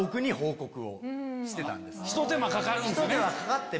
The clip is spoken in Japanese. ひと手間かかるんですね。